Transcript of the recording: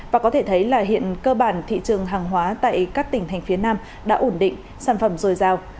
và có thể thấy là hiện cơ bản thị trường hàng hóa tại các tỉnh thành phía nam đã ổn định sản phẩm dồi dào